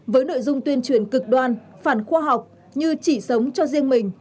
với nội dung tuyên truyền cực đoan phản khoa học như chỉ sống cho riêng mình